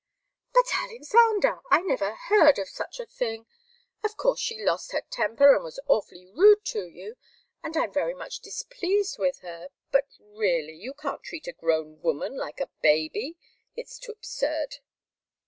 "But, Alexander, I never heard of such a thing! Of course she lost her temper and was awfully rude to you, and I'm very much displeased with her. But really you can't treat a grown woman like a baby. It's too absurd."